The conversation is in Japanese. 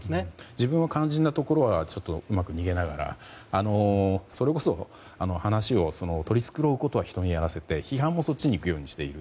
自分は肝心なところはうまく逃げながらそれこそ話を取り繕うことは人にやらせて批判もそっちにいくようにしている。